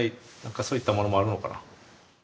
そういったものもあるのかな。